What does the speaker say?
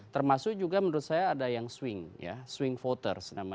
termasuk juga menurut saya ada yang swing voters